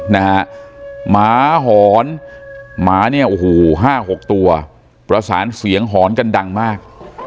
หมาหอนหมาเนี่ย๕๖ตัวประสานเสียงหอนกันดังมาก